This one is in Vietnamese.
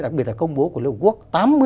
đặc biệt là công bố của liên hợp quốc